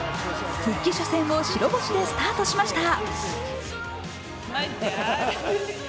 復帰初戦を白星でスタートしました。